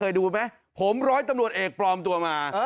ดูไหมผมร้อยตำรวจเอกปลอมตัวมา